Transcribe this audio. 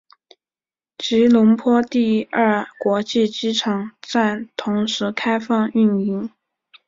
吉隆坡第二国际机场站同时开放运营。